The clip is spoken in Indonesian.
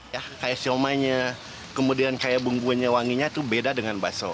ya kayak siomaynya kemudian kayak bumbunya wanginya itu beda dengan baso